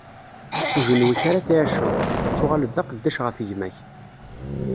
S ujenwi-k ara tɛiceḍ, ad tuɣaleḍ d aqeddac ɣef gma-k.